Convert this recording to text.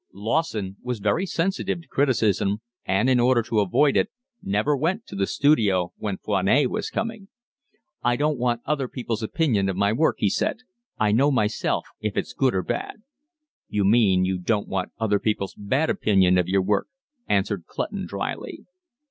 Lawson was very sensitive to criticism and, in order to avoid it, never went to the studio when Foinet was coming. "I don't want other people's opinion of my work," he said. "I know myself if it's good or bad." "You mean you don't want other people's bad opinion of your work," answered Clutton dryly.